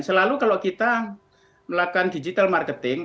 selalu kalau kita melakukan digital marketing